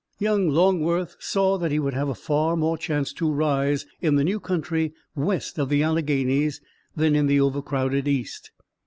Young Longworth saw that he would have far more chance to rise in the new country west of the Alleghanies than in the over crowded East.